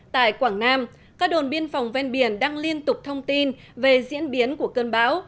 tại quảng nam các đồn biên phòng ven biển đang liên tục thông tin về diễn biến của cơn bão